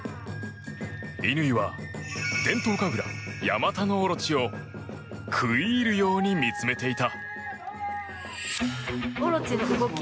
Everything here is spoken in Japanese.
乾は、伝統神楽ヤマタノオロチを食い入るように見つめていた。